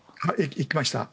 行きました。